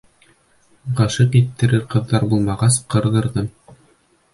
— Ғашиҡ иттерер ҡыҙҙар булмағас, ҡырҙырҙым.